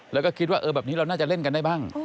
แล้วก็คิดว่าแบบนี้เราน่าจะเล่นกันได้บ้าง